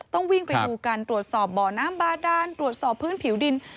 ต้องวิ่งไปดูกันตรวจสอบบ่อน้ำบาดานตรวจสอบพื้นผิวดิน